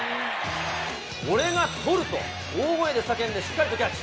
俺が捕ると、大声で叫んでしっかりとキャッチ。